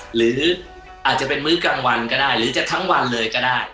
หรืออาจจะเป็นมื้อกลางวันก็ได้หรือจะทั้งวันเลยก็ได้